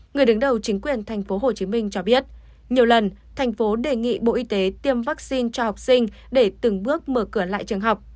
người đứng đầu chính quyền tp hcm cho biết nhiều lần thành phố đề nghị bộ y tế tiêm vaccine cho học sinh để từng bước mở cửa lại trường học